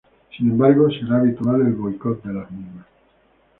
Sin embargo, será habitual el boicot de las mismas.